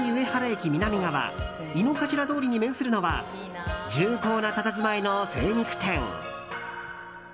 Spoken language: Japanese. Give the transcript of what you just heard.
駅南側井の頭通りに面するのは重厚なたたずまいの精肉店。